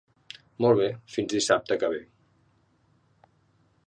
Molt bé; fins dissabte que ve.